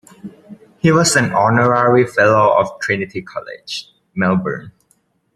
He was an honorary fellow of Trinity College, Melbourne.